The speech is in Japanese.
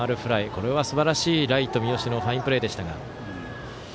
これはすばらしいライト、三好のファインプレーでしたが。